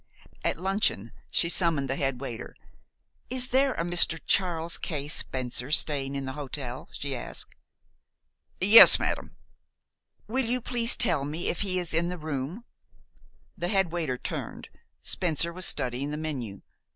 At luncheon she summoned the head waiter. "Is there a Mr. Charles K. Spencer staying in the hotel?" she asked. "Yes, madam." "Will you please tell me if he is in the room?" The head waiter turned. Spencer was studying the menu.